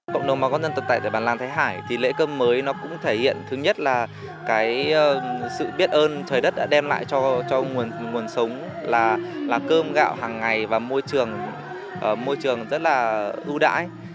cộng đồng mà có dân tộc tài tại bản lan thái hải thì lễ cơm mới nó cũng thể hiện thứ nhất là cái sự biết ơn trời đất đã đem lại cho nguồn sống là cơm gạo hàng ngày và môi trường rất là ưu đãi